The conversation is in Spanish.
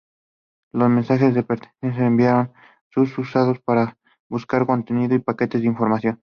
Los mensajes de petición enviados son usados para buscar contenido y paquetes de información.